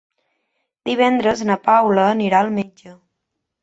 Divendres na Paula anirà al metge.